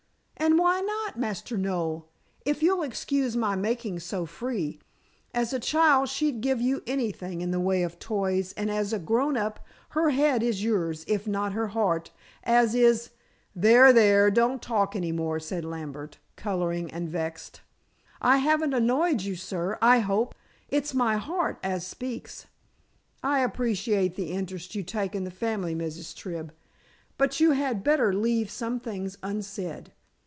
"And why not, Master Noel? if you'll excuse my making so free. As a child she'd give you anything in the way of toys, and as a grown up, her head is yours if not her heart, as is " "There! there! Don't talk any more," said Lambert, coloring and vexed. "I haven't annoyed you, sir, I hope. It's my heart as speaks." "I appreciate the interest you take in the family, Mrs. Tribb, but you had better leave some things unsaid.